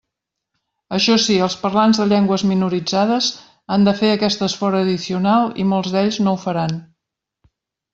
Això sí, els parlants de llengües minoritzades han de fer aquest esforç addicional, i molts d'ells no ho faran.